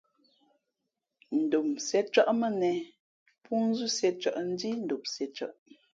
Ndom sīēcάʼ mά nehē póózú sīēcάʼ Ndhí ndom sīēcᾱʼ.